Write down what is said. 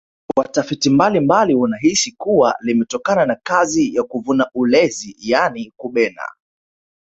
watafiti mbalimbali wanahisi kuwa limetokana na kazi ya kuvuna ulezi yaani kubena